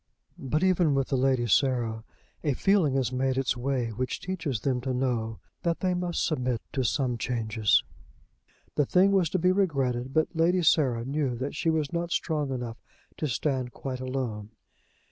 But even with the Lady Sarah a feeling has made its way which teaches them to know that they must submit to some changes. The thing was to be regretted, but Lady Sarah knew that she was not strong enough to stand quite alone.